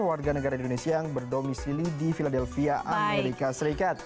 warga negara indonesia yang berdomisili di philadelphia amerika serikat